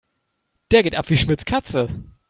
Der geht ab wie Schmitz' Katze.